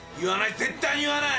絶対に言わない！